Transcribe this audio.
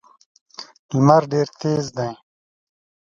لمر ډېر تېز دی.